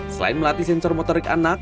selain melatih sensor motorik anak